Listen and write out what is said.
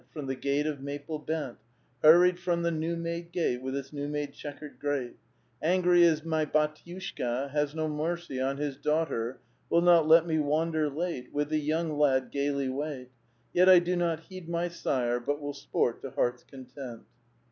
From the gate of maple bent, Hurried from the new made gate, With its new made checkered grate. * Angry is my hdtiuskka. Has no mercy on his daughter; Will not let me wander late, With the young lad gayly wait ; Yet I do not heed my sire, But will sport to heart's content.'